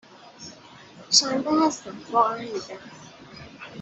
شنبه هستم ، واقعا میگم